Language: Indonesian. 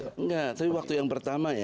enggak tapi waktu yang pertama ya